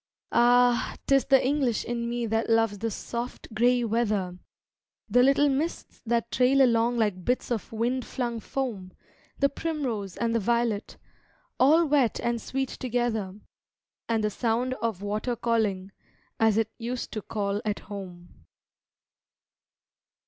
Ah, 'tis the English in me that loves the soft, gray weather The little mists that trail along like bits of wind flung foam, The primrose and the violet all wet and sweet together, And the sound of water calling, as it used to call at home.